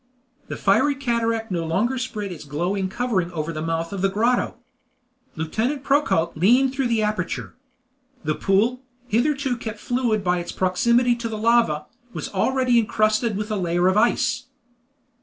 The fiery cataract no longer spread its glowing covering over the mouth of the grotto. Lieutenant Procope leaned through the aperture. The pool, hitherto kept fluid by its proximity to the lava, was already encrusted with a layer of ice.